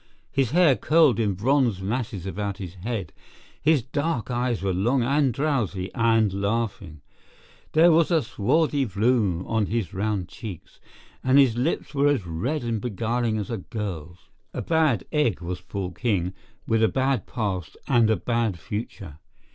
His hair curled in bronze masses about his head; his dark eyes were long and drowsy and laughing; there was a swarthy bloom on his round cheeks; and his lips were as red and beguiling as a girl's. A bad egg was Paul King, with a bad past and a bad future.